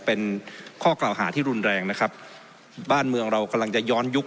เป็นข้อกล่าวหาที่รุนแรงนะครับบ้านเมืองเรากำลังจะย้อนยุค